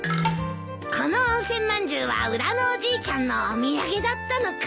この温泉まんじゅうは裏のおじいちゃんのお土産だったのか。